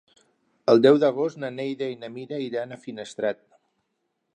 El deu d'agost na Neida i na Mira iran a Finestrat.